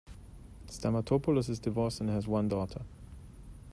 Stamatopoulos is divorced and has one daughter.